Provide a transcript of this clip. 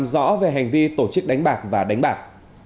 đánh bạc và đánh bạc